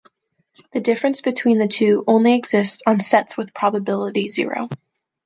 The difference between the two only exists on sets with probability zero.